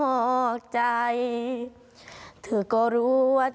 เธอก็รู้ว่าชีวิตคือการนอกใจ